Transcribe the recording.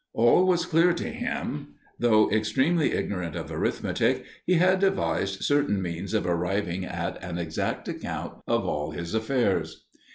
All was clear to him; though extremely ignorant of arithmetic, he had devised certain means of arriving at an exact account of all his affairs.